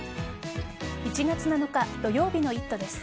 １月７日土曜日の「イット！」です。